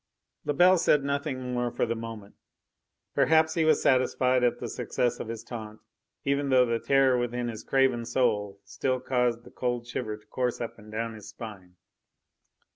Lebel said nothing more for the moment. Perhaps he was satisfied at the success of his taunt, even though the terror within his craven soul still caused the cold shiver to course up and down his spine.